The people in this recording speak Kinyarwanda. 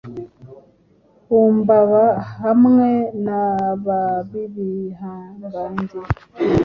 Humbaba hamwe na ba bibihangange